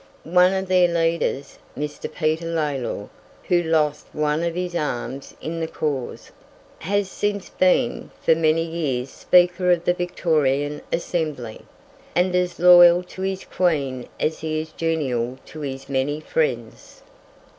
One of their leaders, Mr. Peter Lalor, who lost one of his arms in the cause, has since been for many years Speaker of the Victorian Assembly, and as loyal to his Queen as he is genial to his many friends.